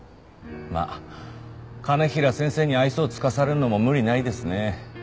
まあ兼平先生に愛想を尽かされるのも無理ないですね。